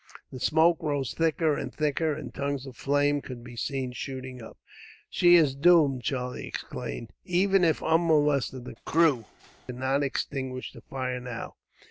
The smoke rose thicker and thicker, and tongues of flame could be seen shooting up. "She is doomed," Charlie exclaimed. "Even if unmolested, the crew could not extinguish the fire, now.